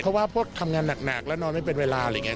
เพราะว่าพวกทำงานหนักแล้วนอนไม่เป็นเวลาอะไรอย่างนี้